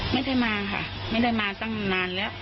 ไม่ได้มาค่ะไม่ได้มาตั้งนานแล้ว